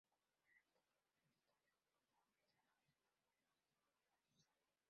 Jugó en su etapa universitaria con los "Badgers" de la Universidad de Wisconsin-Madison.